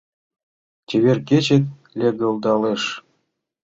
Чевер кечет легылдалеш